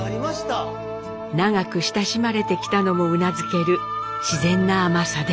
長く親しまれてきたのもうなずける自然な甘さです。